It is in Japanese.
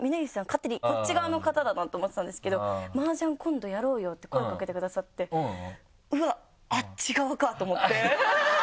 勝手にこっち側の方だなと思ってたんですけど「麻雀今度やろうよ」って声かけてくださって「うわっあっち側か」と思って。